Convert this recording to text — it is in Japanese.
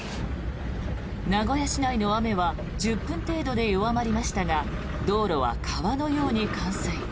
名古屋市内の雨は１０分程度で弱まりましたが道路は川のように冠水。